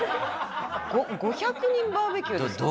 ご５００人バーベキューですか？